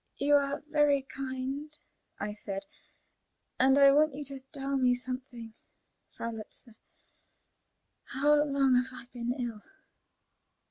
"You are very kind," I said, "and I want you to tell me something, Frau Lutzler: how long have I been ill?"